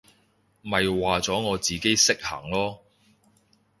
咪話咗我自己識行囉！